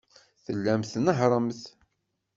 Tellamt tnehhṛemt.